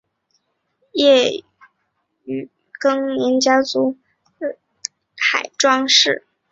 叶庚年家族祖籍浙江宁波镇海庄市。